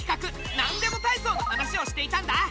「なんでもたいそう」の話をしていたんだ。